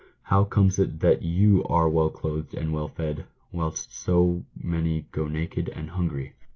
How comes it that you are well clothed and well fed, whilst so many go naked and hungry